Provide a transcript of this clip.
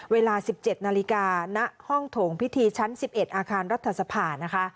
เวลา๑๗นาฬิกาณห้องโถงพิธีชั้น๑๑อาคารรัฐสภานะคะ